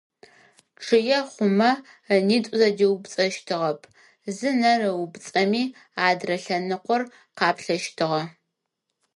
Чъые хъумэ ынитӏу зэдиупӏыцӏэщтыгъэп, зы нэр ыупӏыцӏэми адрэ нэ лъэныкъор къаплъэщтыгъэ.